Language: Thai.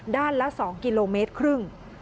ละ๒กิโลเมตรครึ่ง